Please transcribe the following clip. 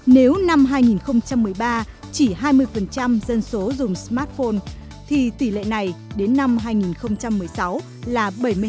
nếu năm hai nghìn một mươi ba chỉ hai mươi dân số dùng smartphone thì tỷ lệ này đến năm hai nghìn một mươi sáu là bảy mươi